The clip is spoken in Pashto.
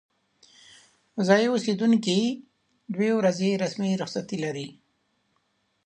ځايي اوسیدونکي دوې ورځې رسمي رخصتي لري.